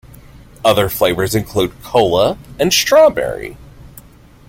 Other flavours include cola and strawberry.